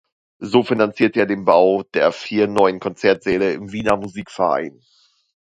So finanzierte er den Bau der vier neuen Konzertsäle im Wiener Musikverein.